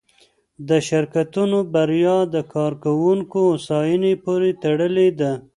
د شرکتونو بریا د کارکوونکو هوساینې پورې تړلې ده.